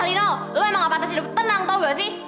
he lino lo emang apa atas hidup tenang tau gak sih